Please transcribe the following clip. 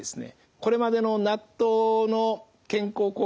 これまでの納豆の健康効果